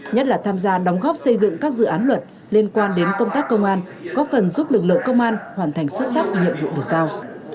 nhất là tham gia đóng góp xây dựng các dự án luật liên quan đến công tác công an góp phần giúp lực lượng công an hoàn thành xuất sắc nhiệm vụ được giao